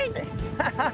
「ハハハ！」。